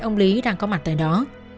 ông lý đang có mặt tại đó